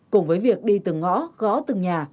cùng với việc đi từng ngõ gõ từng nhà